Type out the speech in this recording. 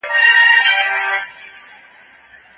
عرضه او تقاضا باید سره برابر وي.